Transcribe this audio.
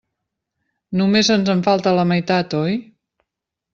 Només ens en falta la meitat, oi?